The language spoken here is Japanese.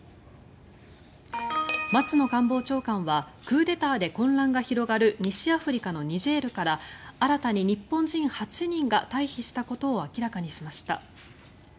松野官房長官はクーデターで混乱が広がる西アフリカのニジェールから新たに日本人８人が退避したことを明らかにしました。